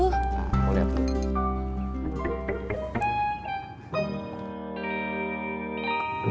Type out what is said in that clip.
kamu liat tuh